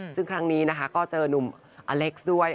ซึ่งครั้งนี้เจอหนุ่มอเลคซ์ด้วย